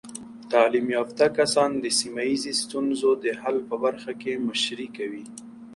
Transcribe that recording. تعلیم یافته کسان د سیمه ایزې ستونزو د حل په برخه کې مشري کوي.